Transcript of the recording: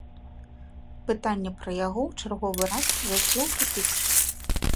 Пытанне пра яго ў чарговы раз зайшло ў тупік.